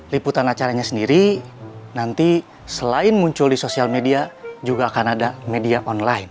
liputan acaranya sendiri nanti selain muncul di sosial media juga akan ada media online